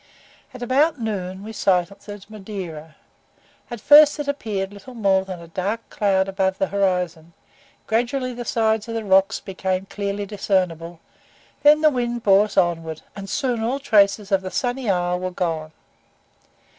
At about noon we sighted Madeira. At first it appeared little more than a dark cloud above the horizon; gradually the sides of the rocks became clearly discernible, then the wind bore us onward, and soon all traces of the sunny isle were gone.